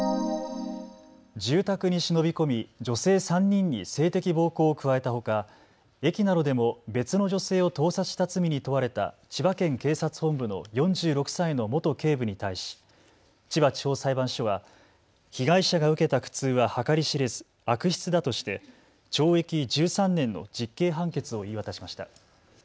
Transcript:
住宅に忍び込み女性３人に性的暴行を加えたほか駅などでも別の女性を盗撮した罪に問われた千葉県警察本部の４６歳の元警部に対し千葉地方裁判所は被害者が受けた苦痛は計り知れず悪質だとして懲役１３年の実刑判決を言い渡しました。